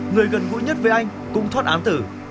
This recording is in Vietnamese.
người gần gũi nhất với anh cũng thoát án tử